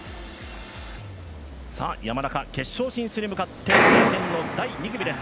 山中、決勝進出へ向かって予選の第２組です。